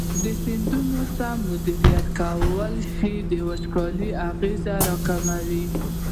د سیندونو سم مدیریت کولی شي د وچکالۍ اغېزې راکمې کړي.